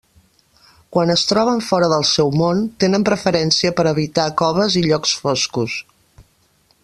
Quan es troben fora del seu món, tenen preferència per habitar coves i llocs foscos.